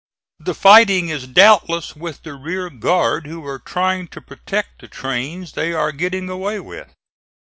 The fighting is doubtless with the rear guard who are trying to protect the trains they are getting away with."